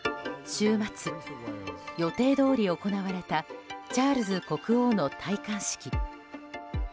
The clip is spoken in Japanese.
週末、予定どおり行われたチャールズ国王の戴冠式。